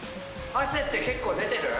汗って結構出てる？